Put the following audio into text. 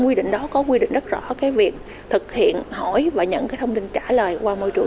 quy định đó có quy định rất rõ cái việc thực hiện hỏi và nhận cái thông tin trả lời qua môi trường